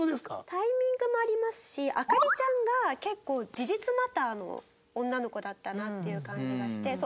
タイミングもありますしアカリちゃんが結構事実マターの女の子だったなっていう感じがして。